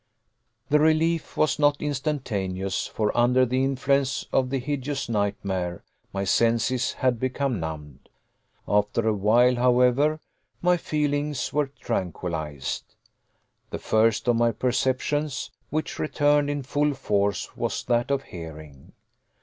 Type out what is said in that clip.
The relief was not instantaneous, for under the influence of the hideous nightmare my senses had become numbed. After a while, however, my feelings were tranquilized. The first of my perceptions which returned in full force was that of hearing.